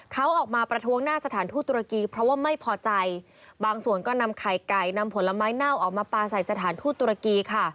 เขาออกมาประท้วงหน้าสถานทูตุรกีเพราะว่าไม่พอใจ